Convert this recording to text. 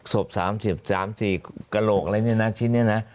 ศพ๓๐๓๔กระโหลกอะไรเนี่ยนะชิ้นนี้นะ